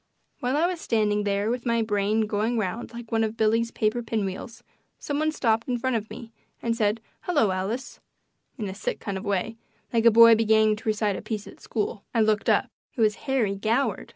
While I was standing there with my brain going round like one of Billy's paper pinwheels some one stopped in front of me and said, "Hello, Alice," in a sick kind of a way, like a boy beginning to recite a piece at school. I looked up. It was Harry Goward!